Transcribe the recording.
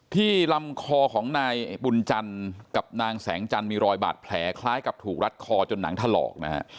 ลำคอของนายบุญจันทร์กับนางแสงจันทร์มีรอยบาดแผลคล้ายกับถูกรัดคอจนหนังถลอกนะฮะ